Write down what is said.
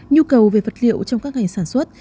nhu cầu về vật liệu trong các ngành sản xuất